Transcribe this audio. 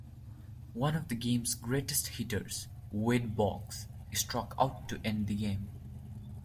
One of the game's greatest hitters, Wade Boggs, struck out to end the game.